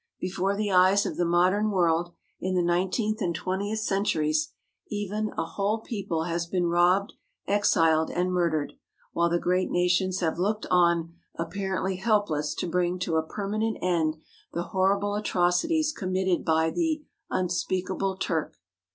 Before the eyes of the modern world, in the nineteenth and twentieth centuries, even, a whole people has been robbed, exiled, and murdered, while the great nations have looked on apparently help less to bring to a permanent end the horrible atrocities committed by the " unspeakable Turk."